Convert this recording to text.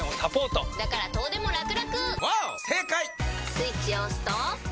スイッチを押すと。